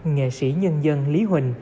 nghệ sĩ nhân dân lý huỳnh